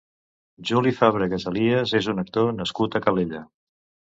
Juli Fàbregas Elías és un actor nascut a Calella.